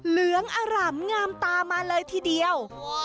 เหลืองอร่ำงามตามาเลยทีเดียว